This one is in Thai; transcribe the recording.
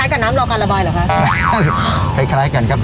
มีทางอย่างน้ำรอกราบายเหรอคะ